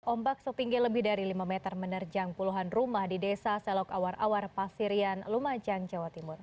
ombak setinggi lebih dari lima meter menerjang puluhan rumah di desa selok awar awar pasirian lumajang jawa timur